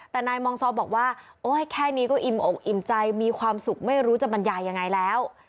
แต่นายมองซอบอกว่าโอ๊ยแค่นี้ก็อิ่มอกอิ่มใจมีความสุขไม่รู้จะบรรยายยังไงแล้ว